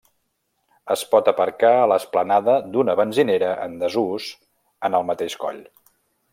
Es pot aparcar a l'esplanada d'una benzinera en desús en el mateix coll.